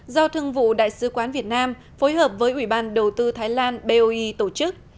do thương vụ đại sứ quán việt nam phối hợp với ủy ban đầu tư thái lan boe tổ chức